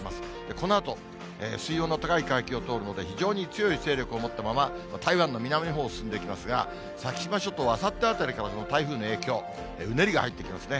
このあと、水温の高い海域を通るので非常に強い勢力を持ったまま台湾の南のほうを進んでいきますが、先島諸島はあさってあたりからの台風の影響、うねりが入ってきますね。